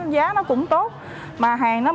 giá nó cũng tốt mà hàng